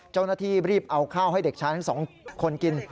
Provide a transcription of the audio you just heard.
เจ้าหน้าที่รีบเอาข้าวให้เด็กชายทั้งสองคนกิน